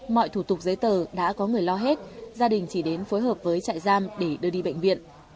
mọi thủ tục giấy tờ đã có người lo hết gia đình chỉ đến phối hợp với trại giam để đưa đi bệnh viện